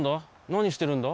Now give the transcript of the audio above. なにしてるんだ？